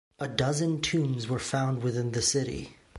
A dozen tombs were found within the city.